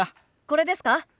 これですか？